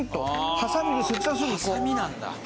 ハサミなんだ。